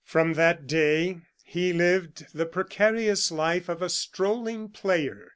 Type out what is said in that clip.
From that day he lived the precarious life of a strolling player.